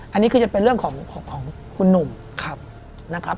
อันนี้คือจะเป็นเรื่องของคุณหนุ่มนะครับ